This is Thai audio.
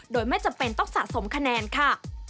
โดยไม่จำเป็นต้องสะสมคะแนนค่ะ